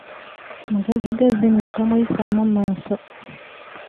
Mugezigezi nno tomuyisaamu maaso!